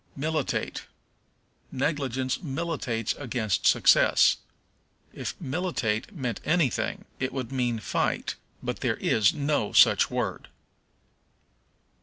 Militate. "Negligence militates against success." If "militate" meant anything it would mean fight, but there is no such word.